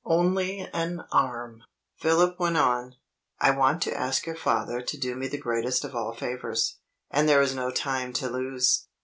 Only an arm! Philip went on: "I want to ask your father to do me the greatest of all favors and there is no time to lose.